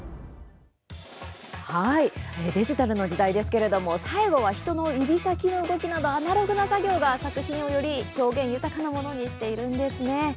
デジタルの時代ですけれど最後は、指先の動きなどのアナログな作業が作品をより表現豊かなものにしているんですね。